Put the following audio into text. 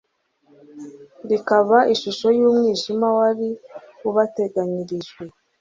rikaba ishusho y'umwijima wari ubateganyirijwe